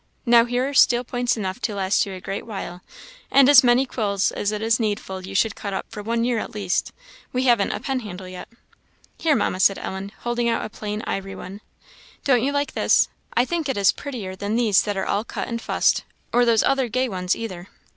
Now, here are steel points enough to last you a great while and as many quills as it is needful you should cut up for one year at least; we haven't a pen handle yet." "Here, Mamma," said Ellen, holding out a plain ivory one, "don't you like this? I think it is prettier than these that are all cut and fussed, or those other gay ones either."